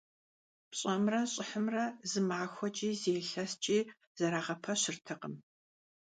ПщӀэмрэ щӀыхьымрэ зы махуэкӀи, зы илъэскӀи зэрагъэпэщыртэкъым.